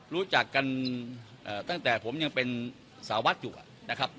รู้จักกันเอ่อตั้งแต่ผมยังเป็นสาวัสดิ์อยู่อะนะครับ